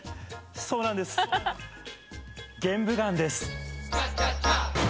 そうなんです玄武岩です。